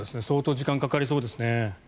相当、時間がかかりそうですね。